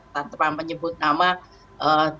tanpa menyebut nama ternyata